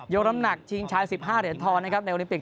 ยกลำหนักชิงชาย๑๕เหรียญทองในโอลิปิก